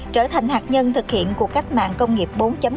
trở thành hạt nhân thực hiện cuộc cách mạng công nghiệp bốn